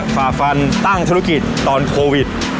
ฝ่าฟันตั้งธุรกิจตอนโควิด